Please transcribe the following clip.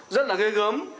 rất là ghê gớm